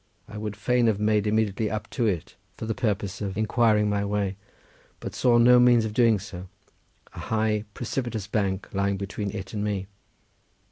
I would fain have made immediately up to it for the purpose of inquiring my way, but saw no means of doing so, a high precipitous bank lying between it and me.